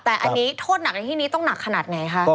แต่อันนี้โทษหนักในที่นี้ต้องหนักขนาดไหนคะ